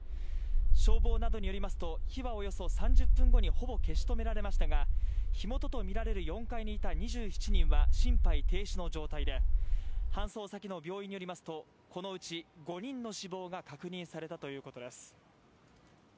消防などによりますと、火はおよそ３０分後にほぼ消し止められましたが、火元とみられる４階にいた２７人は心肺停止の状態で搬送先の病院によりますと、このうち５人の死亡が確認されたということです。